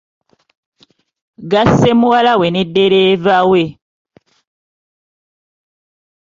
Gasse muwala we ne ddereeva we.